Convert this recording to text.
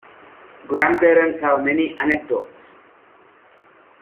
Grandparents have many anecdotes.